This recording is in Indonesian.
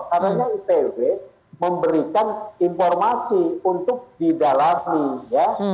karena ipw memberikan informasi untuk didalami ya